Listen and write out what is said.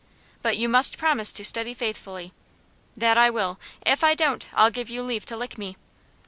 "But you must promise to study faithfully." "That I will. If I don't, I'll give you leave to lick me."